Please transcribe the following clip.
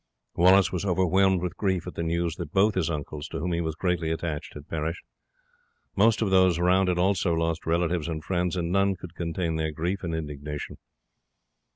Wallace was overwhelmed with grief at the news that both his uncles, to whom he was greatly attached, had perished. Most of those around had also lost relatives and friends, and none could contain their grief and indignation.